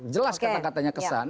jelas kata katanya kesan